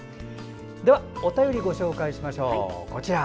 では、お便りご紹介しましょう。